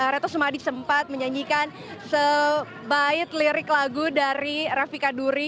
reto sumadi sempat menyanyikan sebaik lirik lagu dari raffika duri